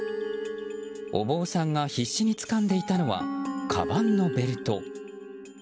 お坊さんが、必死につかんでいたのはかばんのベルト。